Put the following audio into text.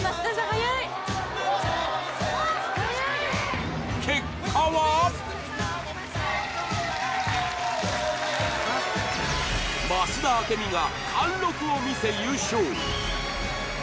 速い増田明美が貫禄を見せ優勝